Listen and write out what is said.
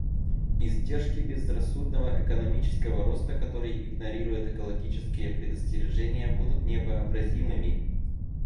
Издержки безрассудного экономического роста, который игнорирует экологические предостережения, будут невообразимыми.